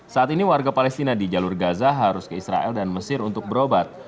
saat ini warga palestina di jalur gaza harus ke israel dan mesir untuk berobat